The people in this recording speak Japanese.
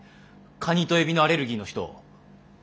カニとエビのアレルギーの人。